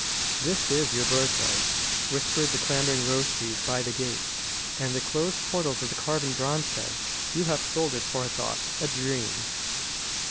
"This is your birthright," whispered the clambering rose trees by the gate; and the closed portals of carven bronze said: "You have sold it for a thought a dream."